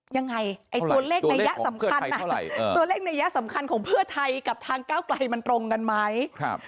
ยังไงตัวเลขนัยสำคัญของเพื่อไทยกับทางก้าวกล่ายมันตรงกันไหม